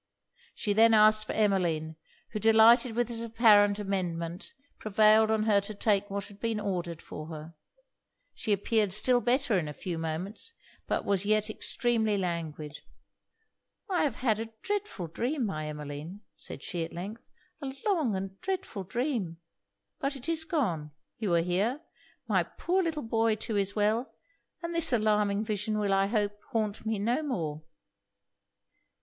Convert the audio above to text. She then asked for Emmeline; who, delighted with this apparent amendment, prevailed on her to take what had been ordered for her. She appeared still better in a few moments, but was yet extremely languid. 'I have had a dreadful dream, my Emmeline,' said she, at length 'a long and dreadful dream! But it is gone you are here; my poor little boy too is well; and this alarming vision will I hope haunt me no more.'